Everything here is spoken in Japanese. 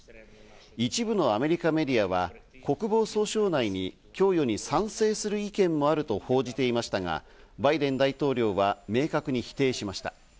一部のアメリカメディアは国防総省内に供与に賛成する意見もあると報じていましたが、バイデン大統領は明確に否定しました。